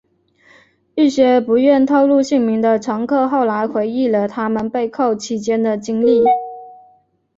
一些不愿透露姓名的乘客后来回忆了他们被扣期间的经历。